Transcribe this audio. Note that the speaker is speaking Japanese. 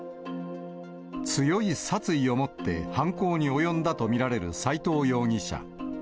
強い殺意を持って犯行に及んだと見られる斎藤容疑者。